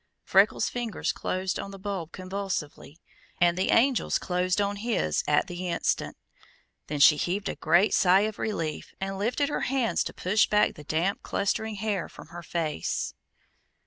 Freckles' fingers closed on the bulb convulsively, and the Angel's closed on his at the instant. Then she heaved a great sigh of relief and lifted her hands to push back the damp, clustering hair from her face.